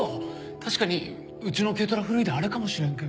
確かにうちの軽トラ古いであれかもしれんけど。